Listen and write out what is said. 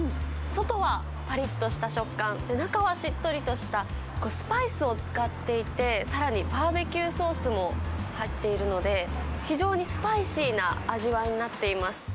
外はぱりっとした食感、中はしっとりとした、スパイスを使っていて、さらにバーベキューソースも入っているので、非常にスパイシーな味わいになっています。